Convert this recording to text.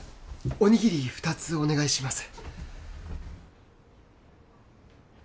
おにぎり２つお願いします